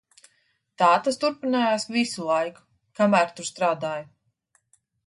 Tā tas turpinājās visu laiku, kamēr tur strādāju.